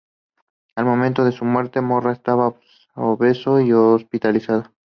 Al momento de su muerte, Morra estaba obeso y hospitalizado.